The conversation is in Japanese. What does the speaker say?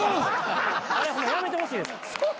あれやめてほしいです。